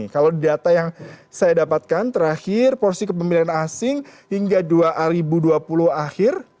kalau data yang saya dapatkan terakhir porsi kepemimpinan asing hingga dua ribu dua puluh akhir